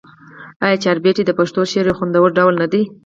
آیا چهاربیتې د پښتو شعر یو خوندور ډول نه دی؟